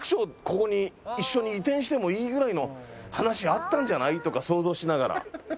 ここに一緒に移転してもいいぐらいの話があったんじゃない？とか想像しながら。